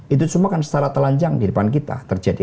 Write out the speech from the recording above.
itu semua kan secara telanjang di depan kita terjadi